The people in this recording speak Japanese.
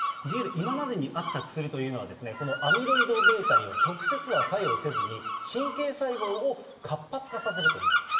今までにあった薬というのは、このアミロイドβには、直接は作用せずに、神経細胞を活発化させるという薬です。